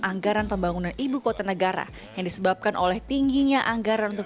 anggaran pembangunan ibu kota negara yang disebabkan oleh tingginya anggaran untuk